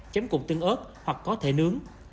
chém cùng tương ớt hoặc có thể nướng